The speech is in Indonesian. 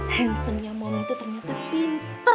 handsome nya momi tuh ternyata pinter